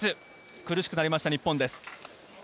苦しくなりました、日本です。